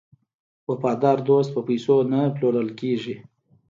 وفادار دوست په پیسو نه پلورل کیږي.